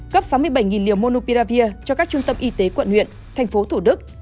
cấp sáu mươi bảy liều monopiravir cho các trung tâm y tế quận nguyện tp thủ đức